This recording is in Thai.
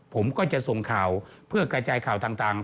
ผมก็จะส่งข่าวเพื่อกระจายข่าวต่าง